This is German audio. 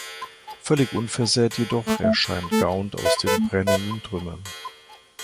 Völlig unversehrt jedoch erscheint Gaunt aus den brennenden Trümmern.